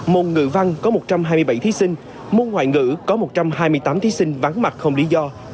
môn ngữ văn có một trăm hai mươi bảy thí sinh môn ngoại ngữ có một trăm hai mươi tám thí sinh vắng mặt không lý do